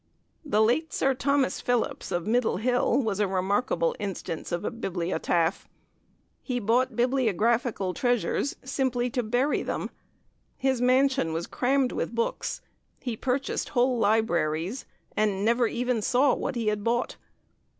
The late Sir Thomas Phillipps, of Middle Hill, was a remarkable instance of a bibliotaph. He bought bibliographical treasures simply to bury them. His mansion was crammed with books; he purchased whole libraries, and never even saw what he had bought.